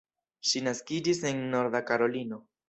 Ŝi naskiĝis en Norda Karolino.